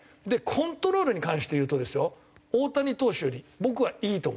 コントロールに関して言うとですよ大谷投手より僕はいいと思います。